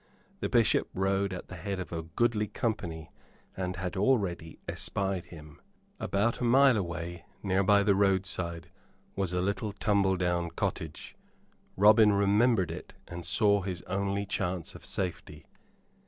The Bishop rode at the head of a goodly company and had already espied him. About a mile away, near by the roadside, was a little tumble down cottage. Robin remembered it and saw his only chance of safety.